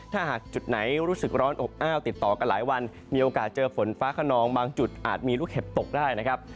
ถ้าหากจุดไหนรู้สึกร้อนอบอ้าวติดต่อกันหลายวันมีโอกาสเจอฝนฟ้าขนองบางจุดอาจมีลูกเห็บตกได้นะครับ